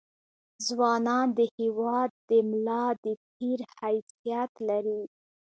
ځونان دهیواد دملا دتیر حیثت لري